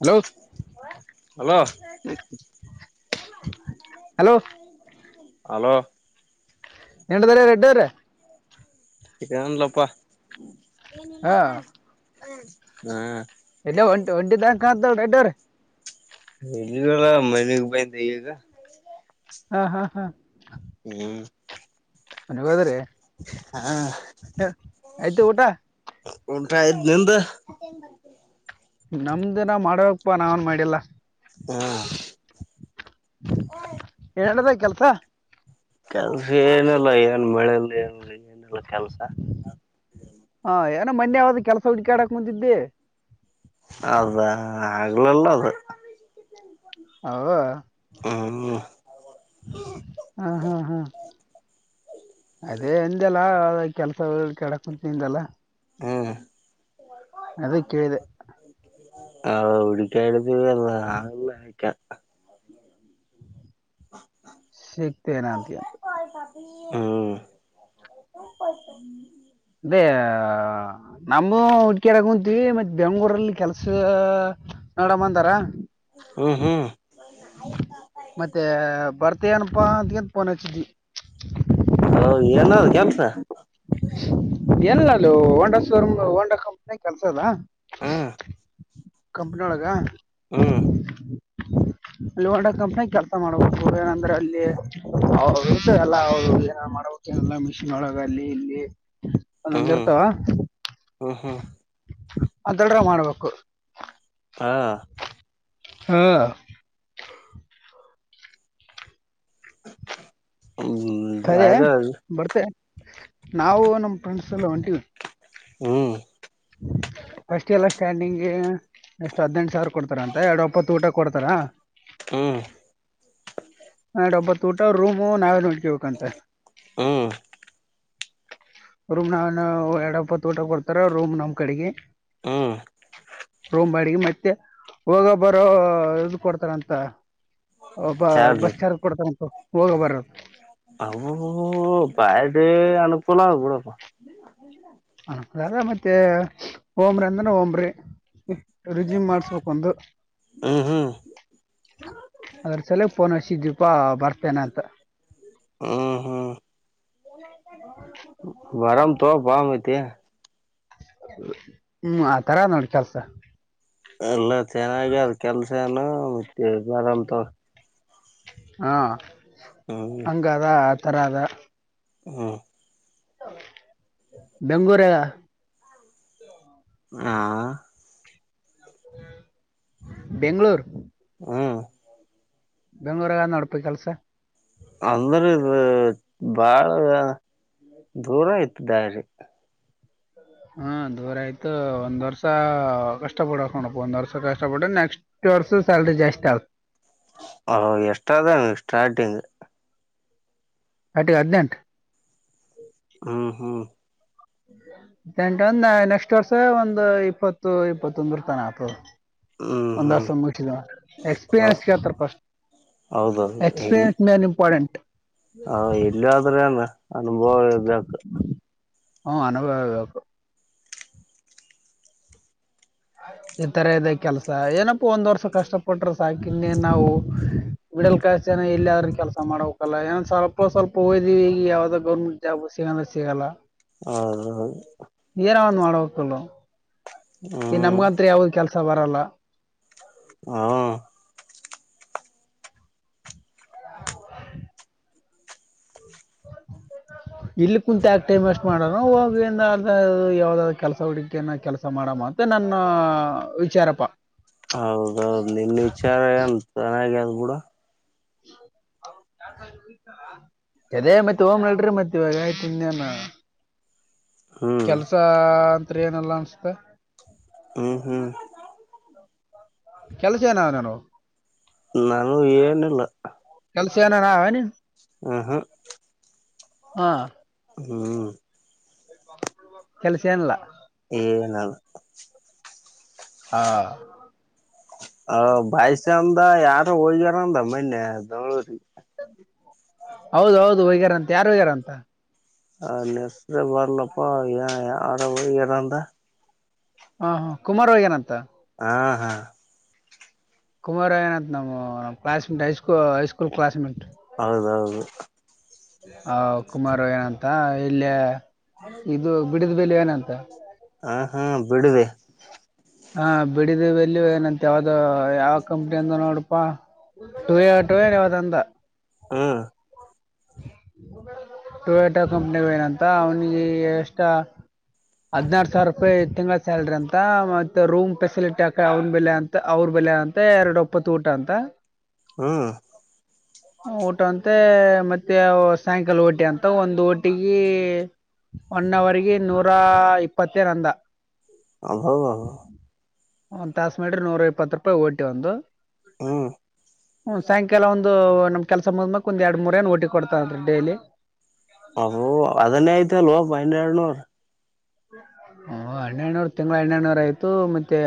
Hello hello hello hello ನಿಂಡದ್ರ ರೆಡ್ಡವ್ರೆ chicken ಲಪ್ಪ ಹಾ [unintelligible] ಹಾ ಇಲ್ಲ ಒಂಟ ಒಂಟಿ ದ ಅಂ ಅಂತ ರೆಡಿಯರ್ ಇಲ್ಲಿಗಲ್ಲ ಮನಗ್ ಬಂದಿ ಈಗ ಹಾ ಹಾ ಹಾ ಹ್ಮ್ ಮನಗ ಹೋದ್ರೀ ಹ ಆಯ್ತು ಊಟ ಉಂಟಾಯ್ತ್ ನಿಮ್ದು ನಮ್ದಿನ ಮಾಡವಕ್ಪ್ಪಾ ನಾವೇನ್ ಮಾಡಿಲ್ಲ ಹ್ಮ ಹೇಳದ ಕೆಲ್ಸ ಕೆಲ್ಸ ಏನಲ್ಲ ಏನ್ ಮಳೆಲಿ ಏನ ಏನಲ್ಲ ಕೆಲ್ಸ ಹಾ ಏನೋ ಮೊನ್ನೆ ಒಂದ ಕೆಲಸ ಹುಡುಕ್ಯಾಡ್ಕುಂತಿದ್ದಿ. ಹಾ ಅದ ಹಾಗಲ್ಲಲ್ಲ ಅದ [unintelligible] ಹ್ಮ್. ಹಾ ಹ್ಮ್ ಹ್ಮ್ ಹ್ಮ್. ಅದೇ ಅಂದಿ ನಾಳೆ ಕೆಲಸ ಹುಡುಕ್ಯಾಡ ಕುಂತಿದ್ದೀ ಅಲ್ಲ. ಹ್ಮ್. ಅದೇ ಕೇಳಿದೆ. ಅದ ಹೂಡಿಕ್ಯಡಿದವಲ್ಲ ಎಲ್ಲ ಅಕ್ಕಿ ಸಿಗ್ತಿಯ ಏನ್ ಅಂತೀಯಾ? ಹ್ಮ್. ಅದೇ ನಮ್ಮ ಹುಡುಕ್ಯಾಡ ಕುಂತೀವಿ ಮತ್ ಬೆಂಗ್ಳೂರಲ್ಲಿ ಕೆಲ್ಸ ನೋಡಮ್ಮ ಅಂದಾರ. ಹ್ಮ್ ಹ್ಮ್. ಮತ್ತೆ ಬರ್ತಿಎನ್ಪಾ ಅಂತಕಂತ ಪೋನ್ ಹಚ್ಚಿನೀ. ಹ ಏನಾದ್ ಕೆಲ್ಸ? ಏನಿಲ್ಲ ಅಲ್ಲಿ ಹೋಂಡ ಶೋರೂಮ್ ಹೋಂಡಾ ಕಂಪನಿಯಾಗ ಕೆಲಸದ. ಹ್ಮ್ ಕಂಪನಿ ಒಳಗ. ಹ್ಮ. ಲೋಂಡ ಕಂಪನ್ಯಾಗ ಕೆಲಸ ಮಾಡ್ಬೇಕ ಹೊಗ್ಯಾನ್ ಅಂದ್ರ ಅಲ್ಲಿ. [unintelligible] ಅವ ಏನರ ಮಾಡ್ಬೇಕ ಏನರ ಮಷಿನ್ ಒಳಗ ಅಲ್ಲಿ ಇಲ್ಲಿ. ಒಂದೊಂದ್ ಹ್ಮ್ ಇರ್ತಾವ ಹೂ ಹ್ಮ್. ಅದನ್ನ ಆರ ಮಾಡ್ಬೇಕು. ಹಾ ಹಾ. ತಡಿ ಹ್ಮ್ ಬರ್ತೆ ನಾವು ನಮ್ಮ ಫ್ರೆಂಡ್ಸ್ ಎಲ್ಲ ಹೊಂಟಿವಿ. ಹ್ಮ್. ಫಸ್ಟ್ ಎಲ್ಲ ಸ್ಟ್ಯಾಂಡಿಂಗ್ಗೆ ಎಷ್ಟ ಹದ್ನೆಂಟ ಸಾವಿರ ಕೊಡ್ತಾರಂತೆ ಎರಡು ಒಪ್ಪತ್ತು ಊಟ ಕೊಡ್ತಾರಾ. ಹ್ಮ. ಎರಡ್ ಒಪ್ಪತ್ತು ಊಟ ರೂಮ್ ನಾವೇ ನೋಡ್ಕಬೇಕಂತ. ಹ್ಮ್. ರೂಮ್ ನಾ ನಾವ ಎರಡವಪ್ಪತ್ತು ಊಟ ಕೊಡ್ತಾರಾ ರೂಮ್ ನಮ್ ಕಡೆಗೆ ಹ್ಮ್ ರೋಮ್ ಬಾಡಿಗೆ ಮತ್ತೆ ಹೋಗೋ ಬರೋ ಇದು ಕೊಡ್ತಾರಂತ. ಒಬ್ಬ ಚಾರ್ರಿ ಬಸ್ ಚಾರ್ಜ್ ಕೊಡ್ತಾರಂತ ಹೋಗ್ ಬರೋರ. ಅಬ್ಬಬ್ಬ ಬಾರಿ ಅನುಕೂಲ ಆದ ಬಿಡುಪಾ. [inaudible] ಅನುಕೂಲ ಆದ್ರ ಮತ್ತೆ ಹೋಮ್ರಿ ಅಂದ್ರ ಹೋಮ್ರಿ. ರೆಜಿಂ ಮಾಡ್ಸಬೇಕ್ ಬಂದೇತ. ಹ್ಮ್ ಹ್ಮ್ ಅದ್ರ ಸಲೇಗೆ ಪೋನ್ ಹಚ್ಚಿದ್ವೀಪಾ ಬರ್ತೇನೆ ಅಂತ. ಹ್ಮ್ ಹ್ಮ ಬರೂಮ್ಮ ತೊಗೊ ಬಾ ಮತ್ತೆ. ಹ್ಮ್ ಆತರ ನೋಡ ಕೆಲ್ಸ. ಎಲ್ಲ ಚೆನ್ನಾಗಿ ಅದ ಕೆಲ್ಸೆನು ಮತ್ತ ಬರನ ತೊಗೊ. ಹಾ ಹ್ಮ್ ಹಂಗದ ಆ ತರ ಅದ. ಹೂ ಬೆಂಗೂರಾಗ ಹಾ. ಆಆ [unintelligible] ಬೆಂಗಳೂರು ಹ್ಮ ಬೆಂಗ್ಳೂರಾಗ ನೋಡ್ಪು ಕೆಲ್ಸ ಅಂದ್ರ ಇದ್ ಬಾಳ ದೂರ ಐತಿ ದಾರಿ ಹಾ ದೂರ ಆಯ್ತು ಒಂದ್ ವರ್ಷ ಆ ಕಷ್ಟ ಪಡಬೇಕ್ ನೋಡ ಒಂದ್ ವರ್ಷ ಕಷ್ಟ ಪಟ್ಟ್ರೆ ನೆಕ್ಸ್ಟ್ ಎಷ್ಟ ವರ್ಷದ ಸ್ಯಾಲರಿ ಜಾಸ್ತಿ ಆಗತ್ತ್ ಹ ಎಷ್ಟ ಅದ ನ ಸ್ಟಾರ್ಟಿಂಗ್ ಆಟಿಗ ಹದ್ನೇಂಟ್ ಹ್ಮ್ ಹ್ಮ್ ಎಂಟ ಒಂದ ನೆಕ್ಸ್ಟ್ ವರ್ಷ ಒಂದ್ ಇಪ್ಪತ್ತು ಇಪ್ಪತ್ತೊಂದುರ ತನಾ ಆತ ಹ್ಮ್ ಹ್ಮ್ ಒಂದವರ್ಷ ಮುಟ್ಟಿದ ಎಕ್ಸ್ಪೀರಿಯನ್ಸ್ ಕಳ್ತಾರೆ ಫಸ್ಟ್ ಹೌದೌದು ಎಕ್ಸ್ಪೀರಿಯನ್ಸ್ ಮೇನ್ ಇಂಪೋರ್ಟೆಂಟ್ ಹ ಇಲ್ಲಾದ್ರೆನ ಅನುಭವ ಇರ್ಬೇಕ ಹ ಅನುಭವಿರಬೇಕ ಈ ತರ ಇದೆ ಕೆಲ್ಸ ಏನಪ್ಪ ಒಂದ್ ವರ್ಷ ಕಷ್ಟ ಪಟ್ರ ಸಾಕನ್ನೆನ ನಾವು ಮಿಡಲ್ ಕ್ಲಾಸ್ ಜನ ಎಲ್ಲಾದ್ರ ಕೆಲಸ ಮಾಡಬೇಕಲ್ಲ ಏನ್ ಸ್ವಲ್ಪ ಸ್ವಲ್ಪ ಹೋಯ್ದೀವಿ ಈಗ ಯಾವ್ದೋ ಗೌರ್ಮೆಂಟ್ ಜಾಬ ಸಿಗಂದ್ರ ಸಿಗಲ್ಲಾ ಆ.. ಏನ್ ಒಂದ ಮಾಡಬೇಕಕ್ಕಲ್ಲ ಹ್ಮ ಈ ನಮಗಂತ್ ಯಾವ್ದ್ ಕೆಲಸ ಬರಲ್ಲ ಹಾ ಹ ಹ ಇಲ್ಲಿ ಕುಂತ ಆಕಕ್ ಟೈಮ್ ಎಷ್ಟ್ ಮಾಡಾರ ಹೋಗ ಯಾವ್ದಾದ ಕೆಲಸ ಹುಡಿಕ ಕೆಲಸ ಮಾಡ ಮಾತ್ರ ನನ್ನ ವಿಚಾರಪ್ಪ ಹೌದೌದು ನಿನ್ನ ವಿಚಾರ ಏನ್ ಚೆನ್ನಾಗ ಅದು್ ಕೂಡ ಅದೇ ಮತ್ತೆ ಓಮ್ ನಲ್ಿ ಮತ್ತೆ ಇವಾಗ ತಿನ್ಾನ ಹ್ಮ್ ಕೆಲಸ ಅತ್್ರ ಏನೆಲ್ಲ ಅನ್ಸತೆ ಹ್ಮ್ ಹ್ಮ್ ಕೆಲಸ ಏನ ನಾನು ನಾನು ಏನಿಲ್ಲ ಕಲ್ಸಿಯನ ನಾನ ಆ ಹಾ ಹಾ ಹ್ಮ್ ಬಹ ಕೆಲ್ಸ ಏನಿಲ್ಲ ಏ ನಲ್ ಹಾ ಹ ಬಾಯ್ಸ ಅಂದ ಯಾರು ಹೋಗಗ್ಯಾರಂದ ಮನ್ನೆ ಬೆಂಗಳೂರಿ ಹೌದು ಹೌದು ವೇಗ್ಯಾರ ಅಂತ ಯಾರು ವೇಗ್ಯಾರ ಅಂತ ಹ ನೆಸ್್ರ ಬರ್ಲಪ್ಪ ಆಡವ ಯಾರ ಅಂದ ಹಾ ಹಾ ಕುಮಾರ್ ಹಳಿ ಏನಂತ ಹಾ ಹಾ ಕುಮಾರ ಏನಂತ ನಮ್ಮ ಕ್ಲಾಸ್ೆಂಟ್ ಹೈಸ್ಕೂ ಹೈಸ್ಕೂಲ್ ಕ್ಲಾಸ್ಮೆಂಟ್ ಹೌದೌದು ಹ ಕುಮಾರು ಏನಂತ ಇಲ್ಲ ಇದು ಬಿಡಿದ ಬೆೇಲೆ ಏನಂತ ಹ ಹಾ ಬಿಡಿದೆ ಹಾ ಬಿಡಿದೀವಿ ಎಲ್ಲಿನಂತ ಯಾವ್ದ ಯಾವ ಕಂಪ್ನಿ ಅಂದ ನೋಡಪಾ ಟು ಯ ಟು ನ್ ಯಾವದ ಅಂದ ಹಾ ಟೊಯ್ಯಾಟೋ ಕಂಪನಿ ಏನಂತ ಅವನಿಗೆ ಎಷ್ಟ ಹದ್ನಾರು ಸಾವಿರ ರೂಪಾಯಿ ತಿಂಗಳ ಸ್ಯಾಲ್ರಿ ಅಂತ ಮತ್ತೆ ರೂಮ್ ಫೆಸಿಲಿಟಿ ಆ ಅವನ ಬೆಲೆ ಅಂತ ಅವ್ರ ಬೆಲೆ ಅಂತ ಎರಡು ಒಪ್ಪತ್ತು ಊಟ ಅಂತ ಹ್ಮ್ ಊಟ ಅಂತೆ ಮತ್ತೆ ಮ ಸಾಯಂಕಾಲ ಓಟಿ ಅಂತ ಒಂದು ಓಟಿಗ ಒನ್ವಗ ನೂರಾ ಇಪ್ಪತ್ತೇ ನಂದ ಅ ಹೌ ಅೌ ಒಂದ್ ತಾಸ ಮೇಡ್ರಿ ನೂರ ಇಪ್ಪತ್ತು ರೂಪಾಯಿ ಓಟಿ ಒಂದು ಹ್ಮ್ ಹ್ಮ ಸಾಯಂಕಾಲ ಒಂದು ನಮ್ ಕೆಲ್ಸ ಮುದ್್ಮಕ್ ಒಂದ್ ಎರಡ್ ಮೂರ ಏನ್ ಒಟಿ ಕೊಡ್ತಂದೀ ಡೈಲಿ ಅೋ ಅದನ್ನೇ ಆಯ್ತ ಅಲ್ವ ಹಿನ ಎರಡ್ನೂರ್ ಓ ಹನ್ನೆನೂರು ತಿಂಗಳ ಹನ್ನೆಡುನೂರ ಆಯ್ತು ಮತ್ತೆ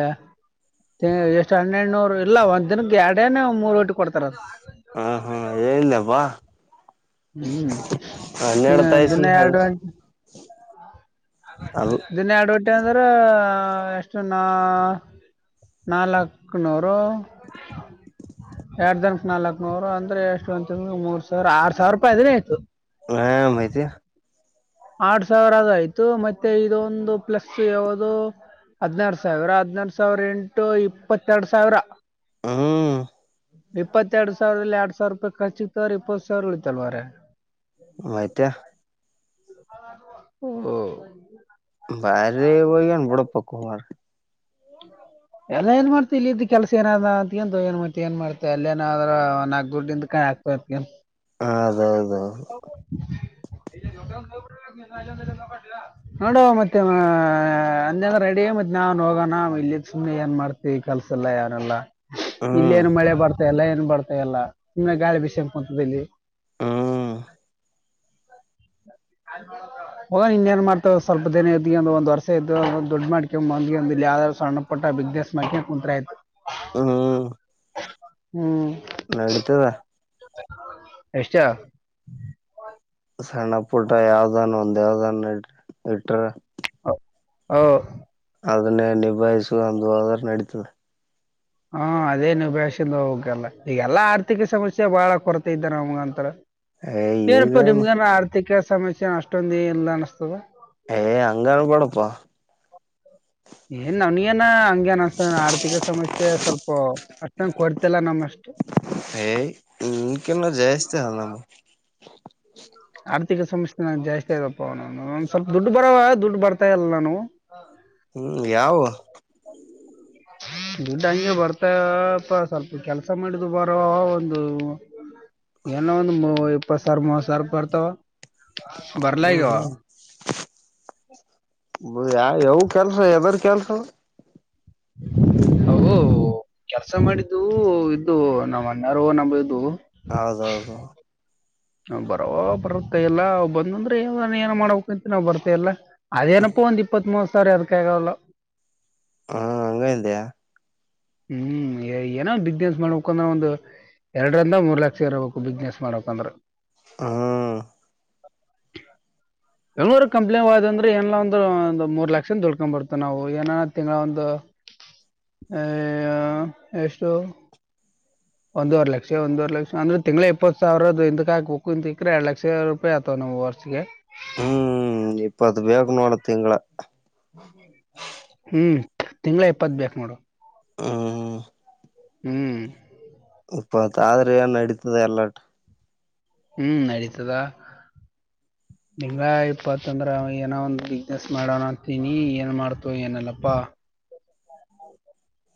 ಎಷ್ಟು ಹೆನೂರು ಇಲ್ಲ ಒಂದ್ ದಿನ ಎರಡನ ಒ ಮೂರು ರೋಟಿ ಕೊಡ್ತಾರ ಹ ಹಾ ಹೇಳಿಲ್ಲಬಾ ಹ್ಞೂ ಹ ನಡ್ತಾಯಿಸಿ ದಿನ ಅ ಎರಡು ಅಲ್ ಇದನ್ನೇ ಅಡವಟ್ಟೆ ಅಂದ್ರೆ ಎಷ್ಟು ನಾ ನಾಲ್ಕುನೂರು ಎರಡ್ ತನಕ್ ನಾಲ್ಕ್ ನೂರು ಅಂದ್ರೆ ಎಷ್ಟು ಒಂತ ಮೂರ್ ಸಾವಿರ ಆರ್ ಸಾವಿರ ರೂಪಾಯಿ ಅದಿನ ಆಯ್ತು ಹಾ ಮಾಹತಿ ಆಡ್ ಸಾವಿರ ಆದ ಆಯ್ತು ಮತ್ತೆ ಇದೊಂದು ಪ್ಲಸ್ ಯಾಾವದು ಹದ್ಿನಾರು ಸಾವಿರ ಹದ್ಿನಾರು ಸಾವಿರ ಎಂಟು ಇಪ್ಪತ್ತೆರಡು ಸಾವಿರ ಹ ಇಪ್ಪತ್ತೆರಡು ಸಾವಿರದಲ್ಲಿ ಎರಡ್ ಸಾವಿರೂಪಾಯ ಖರ್ಚು ಇತವ್ರ ಇಪ್ಪತ್ ಸಾವಿರ ಉಳಿತಲ್ವರ ವತಾ ಹ್ಮ ಬಾರಿ ಒೋಗ್ಯನ್ ಬುಡ ಪಕ್ಕ ಅವಾರ ಹ್ಮ ಎಲ್ಲ ಏನ್ ಮಾಡ್ತತಿ ಇ ಇದ ಕೆಲಸ ಏನಾದ ಅಂತಕಂತ ಏನ್ ಏನ್ ಮಾಡ್ತ ಅಲ್ಲೇನಾದ್ರ ನಾಕ್ ದುಡ್ಡಿಂದ ಕ ಆಗ್ತ ಅದೌದು ನೋಡುವ ಮತ್ತೆ ಅಂದೆಂದ ರೆಡಿ ಮತ್ತೆ ನಾನ್ ಹೋಗೋಣ ಇಲ್ಲಿ ಸುಮ್ಮನೆ ಏನ್ ಮಾಡ್ತೀವಿ ಕೆಲ್ಸ ಎಲ್ಲ ಯನೆಲ್ಲಾ ಇಲ್ಲ ಹ್ಮ್ ಏನು ಮಳೆ ಬರ್ತ ಎಲ್ಲ ಏನ್ ಬರ್ತಾ ಎಲ್ಲ ನಿಮ್ಮ ಗಾಳಿ ಬಿಸಿೆಂಪ ಅಂತ ಇಲ್ಲಿ ಹ್ಮ್ ಅ ಹೋಗ ಇನ್ೇಏನ್ ಮಾಡ್ತಾವ್ ಸ್ವಲ್ಪ ದಿನ ಇದ್ ಒಂದ ವರ್ಷ ಇದ್ದ ಒಂದು ದುಡ್ಡು ಮಾಡ್ಕೊಂಡೊಂಬಂದಿ ಒಂದ ಇ ಯಾವ್ದ್ ಸಣ್ಣ ಪಟ್ಟ ಬಿಗ್ದಸ್ ಮಾೈಕೆ ಕುಂತ್ರಾತ್ ಹ್ಮ್ ನೆಡಿತಾದ್ದ. ಎಷ್ಟು. ಸಣ್ಣ ಪುಟ ಯಾವ್ದನ್ ಒಂದ ಯಾವ್ದನು ಇಟ್ರೆ. ಹ ಹೌ. ಅದನ್ನೇ ನಿಭಾಯಿಸುಕೊಂಡು ಹೋದ್ರ ನಡೀತದೆ. ಹಾ ಅದೇ ನೀವು ಬ್ಯಾಷಿಂದ ಹೋಗಲ್ಲ ಈಗೆಲ್ಲಾ ಆರ್ಥಿಕ ಸಮಸ್ಯೆ ಬಾಳ ಕೊರತೆ ಇದ್ದ ನಮ್ಗ ಅಂತ. ಏ ಈಗ ಏನಪ್ಪಾ ನಿಮ್ಗೇನ ಆರ್ಥಿಕ ಸಮಸ್ಯೆ ಅಷ್ಟೊಂದ ಇಲ್ಲ ಅನ್ನಿಸ್ತದ. ಹೇ ಹಂಗೆ ಹೇಳಬೇಡಪ್ಪ. ಏನ್ ನನ್ಗೇನ ಹಂಗೆನು ಅನಿಸ್ತಾಲ್ಲ ಆರ್ಥಿಕ ಸಮಸ್ಯೆ ಸ್ವಲ್ಪ. ಅಸ್ಟೋದು ಕೊಟ್ಟಿಲ್ಲ ಅಷ್ಟು. ಹೇ ನಿಮ್ಮಗೀನ ಜಾಸ್ತಿ ಅದ ನಮ್ದು. ಆರ್ಥಿಕ ಸಮಸ್ಯೆ ಜಾಸ್ತಿ ಅದಾವ ಸ್ವಲ್ಪ ದುಡ್ಡು ಬರವ ದುಡ್ಡು ಬರ್ತಾ ಇಲ್ಲ ನಮ್ದು. [unintelligible] ಹ್ಮ್ ಯಾವು. [inaudible] ದುಡ್ಡು ಹಂಗೆ ಬರ್ತ ಸ್ವಲ್ಪ ಕೆಲ್ಸ ಮಾಡಿದು ಬರುವ ಒಂದು. ಏನ ಒಂದ್ ಇಪ್ಪತ್ ಸಾವಿರ ಮೂವತ್ತು ಸಾವಿರ ಇರ್ತಾವ. ಹ್ಮ್ ಹ್ಮ್ ಯಾವ ಕೆಲ್ರ ಎದರ್ ಕೆಲ್ರ. [unintelligible] ಕೆಲಸ ಮಾಡಿದ್ದು ಇದು ನಮ್ಮ ಅಣ್ಣ ಅವರ ನಮ್ಮ ಇದು. ಹೌದ ಹೌದು. ಬರ ಬರತ್ತ ಇಲ್ಲಾ ಅವ ಬಂದಂದ್ರೆ ಏನ ಮಾಡಬೇಕಂತ ನಾವ್ ಬರ್ತಲ್ಲ. ಅದನಪ್ಪೋ ಒಂದು ಇಪ್ಪತ್ ಮೂವ ಸಾವಿರ ಅದಕ್ಕಾಗಲ್ಲ. ಹಾ ಹಂಗದ್ಯಾ. ಹ್ಮ್ ಏನೋ ಒಂದು ಬಿಸಿನೆಸ್ ಮಾಡಬೇಕು ಅನ್ನೋ ಒಂದು. ಎರಡರಿಂದ ಮೂರ್ ಲಕ್ಷ ಇರಬೇಕು ಬಿಸ್ನೆಸ್ ಮಾಡಬೇಕಂದ್ರೆ. ಹ್ಮ [unintelligible] ಎಂಗೂರು ಕಂಪ್ಲೇನ್ ಆಯ್ ಅಂದ್ರೆ ಏನ ಒಂದು ಒಂದು ಮೂರ್ ಲಕ್ಷ ದುಳ್ಕೊಂಡ್ ಬರ್ತು ನಾವು ಏನ ತಿಂಗಳ ಒಂದು. ಎಷ್ಟು. ಒಂದವರ್ ಲಕ್ಷ ಒಂದೂವರ್ ಲಕ್ಷ ಅಂದ್ರೆ ತಿಂಗಳ ಇಪ್ಪ ಸಾವಿರ ಇದಿಕ್ಕೆ ಹಾಕಬೇಕು ಎರಡು ಲಕ್ಷ. [unintelligible] ಹ್ಮ್ ಒಂದು ಇಪ್ಪತು ಬೇಕು ನೋಡು ತಿಂಗಳ. [unintelligible] ಹ್ಮ್ ತಿಂಗಳ ಇಪ್ಪತ್ ಬೇಕ್ ನೋಡು. ಹ್ಮ ಹ್ಮ್ ಇಪ್ಪತ್ ಆದ್ರೆ ಏನ್ ನಡೀತದೆ ಎಲ್ಲಾ. ಹ್ಮ್ ನೆಡಿತಾದ. ತಿಂಗಳ ಇಪ್ಪತ್ತಂದ್ರ ಏನೋ ಒಂದು ಬಿಸ್ನೆಸ್ ಮಾಡೋಣ ಅಂತೀನಿ ಏನ್ ಮಾಡ್ತು ಇಲ್ಲಪ್ಪಾ.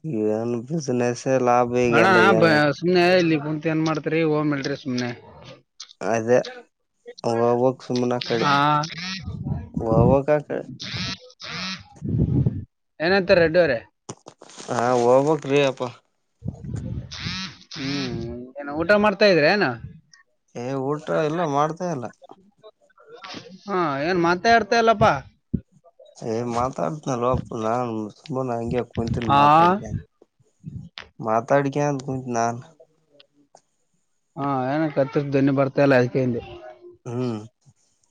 ಈಗ ಈ ಬಿಸ್ನೆಸ್. ಲಾಭ ಈಗೆಲ್ಲ ಏನ ಅಣ್ಣ ಸುಮ್ನೆ ಇಲ್ಲಿ ಕುಂತ ಏನ್ ಮಾಡ್ತರಿ ಹೋಗನ್ ಬನ್ರೀ ಸುಮ್ನೆ. ಅದೇ ಹೋಗ್ಬಕ್ ಸುಮ್ನ ಆ ಕಡೆ ಹಾ. [unintelligible] ಏನಂತಾರೆ ರೆಡ್ಡಿವರೆ ಹಾ ಹೋಗ್ಬಾಕ್ ರೀ ಅಪ್ಪ ಹ್ಮ್ ಏನ ಊಟ ಮಾಡ್ತಾ ಇದ್ರೆನು ಏ ಊಟ ಎಲ್ಲ ಮಾಡ್ತಾಯ ಇಲ್ಲ ಹಾ ಏನ್ ಮಾತೆ ಆಡ್ತಾಲ್ಲಪ್ಪಾ ಏ ಮಾತಾಡ್ತನಲೋಪ್ಪಾ ನಾನ್ ಸುಮ್ಮನೆ ಹಂಗೆ ಕುಂತನ್ ಹಾ ಮಾತಾಡತೇನೆ ಮಾತಾಡ್ಕ ಅಂತ ಕುಂತಿನಿ ನಾನ್ ಹಾ ಏನ ಕತ್ತರ್ ಧ್ನಿ ಬರ್ತಾ ಇಲ್ಲ ಅದ್ಕಯಿಂದ ಹ್ಮ್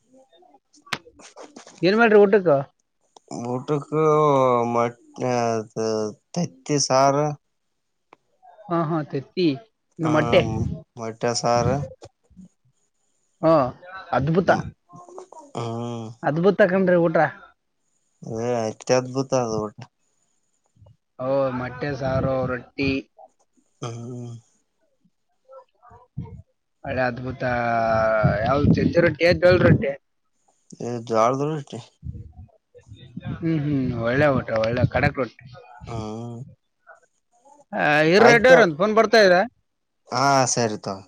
ಎ ಹ ಏನ್ ಮಾಡ್ರಿ ಊಟಕ್ಕ ಬಊಟಕ್ಕ ಮ ತತಿ ಸಾರು ಹಾ ಹಾ ತತಿ ನ ಮೊಟ್ಟೆ ಹ್ಮ ಮೊಟ್ಟೆ ಸಾರು ಹ ಅದ್ಭುತ ಹ್ಮ್ ಹ್ಮ್ ಅದ್ಬುತ ಕನ್ರೀ ಊಟ ಹೇ ಅತಿದ್ಭುತ ಅದು ಊಟ ಹ ಮೊಟ್ಟೆ ಸಾರು ರೊಟ್ಟಿ ಹ್ಮ್ ಹ್ಮ್ ಒಬಾ ಹಳೆ ಅದ್ಭುತ ಯಾವ್ದ ಚಜ್ಜಿ ರೊಟ್ಟಿ ಜೋಳದ ರೊಟ್ಟಿ ಹಾ ಹೇ ಜೋಳದ ರೊಟ್ಟಿ ಹ್ಮ್ ಹ್ಮ್ ಒಳ್ಳೆ ಊಟ ಒಳ್ಳೆ ಕಡಕ್ ರೊಟ್ಟಿ ಹ ಹ ಇರೀ ಆಯ್ತು ರೆಡ್ಡಿ ತೊ ಅವ್ರೆ ಒಂದು ಫೋನ್ ಬರ್ತಾ ಇದೇ ಹಾ ಸರಿ ತಗೋ